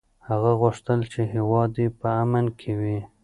هغه غوښتل چې هېواد یې په امن کې وي.